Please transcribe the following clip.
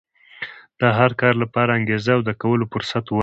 د هر کار لپاره انګېزه او د کولو فرصت ولرئ.